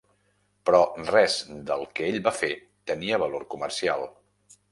Però res del que ell va fer tenia valor comercial.